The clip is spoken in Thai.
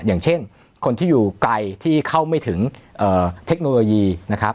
อย่างเช่นคนที่อยู่ไกลที่เข้าไม่ถึงเทคโนโลยีนะครับ